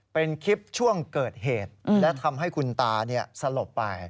เป็นคลิปช่วงเกิดเหตุและทำให้คุณตาสลบไป